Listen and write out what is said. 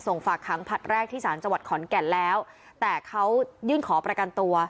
ฝากขังผลัดแรกที่สารจังหวัดขอนแก่นแล้วแต่เขายื่นขอประกันตัว